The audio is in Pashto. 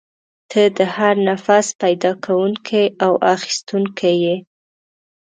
ته د هر نفس پیدا کوونکی او اخیستونکی یې.